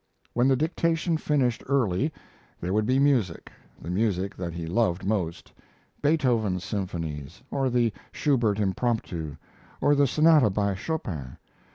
When the dictation finished early, there would be music the music that he loved most Beethoven's symphonies, or the Schubert impromptu, or the sonata by Chopin.